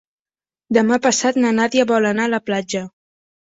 Demà passat na Nàdia vol anar a la platja.